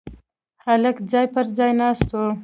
هلک ځای پر ځای ناست و.